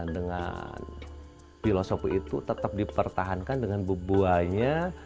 dengan filosofi itu tetap dipertahankan dengan bebuainya